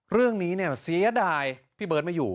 เรื่องนี้เนี่ยเสียดายพี่เบิร์ตไม่อยู่